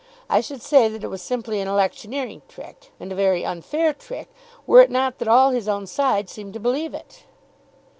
I should say that it was simply an electioneering trick, and a very unfair trick, were it not that all his own side seem to believe it."